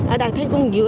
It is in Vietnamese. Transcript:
ở đây thấy không dưa